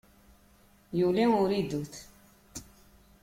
Yuli uridut.